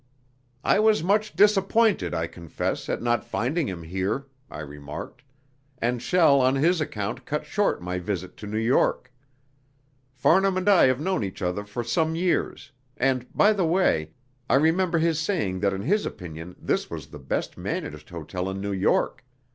"I was much disappointed, I confess, at not finding him here," I remarked, "and shall on his account cut short my visit to New York. Farnham and I have known each other for some years; and, by the way, I remember his saying that in his opinion this was the best managed hotel in New York.